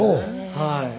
はい。